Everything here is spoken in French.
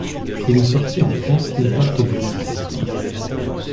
Une sortie en France n'est pas prévue pour l'instant.